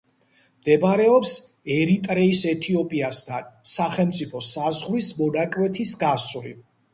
მდებარეობს ერიტრეის ეთიოპიასთან სახელმწიფო საზღვრის მონაკვეთის გასწვრივ.